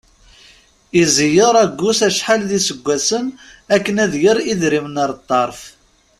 Izeyyeṛ agus acḥal d iseggasen akken ad yerr idrimen ar ṭṭerf.